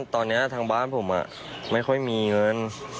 ตอนนี้ทางบ้านผมไม่ค่อยมีเงิน